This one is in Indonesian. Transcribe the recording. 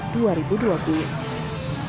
tim liputan cnn indonesia